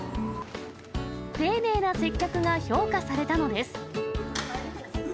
丁寧な接客が評価されたのです。